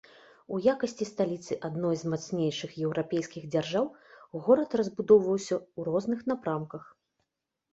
У якасці сталіцы адной з мацнейшых еўрапейскіх дзяржаў горад разбудоўваўся ў розных напрамках.